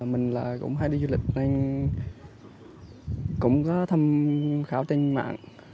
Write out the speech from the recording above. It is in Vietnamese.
mình cũng hay đi du lịch nên cũng thăm khảo tinh mạng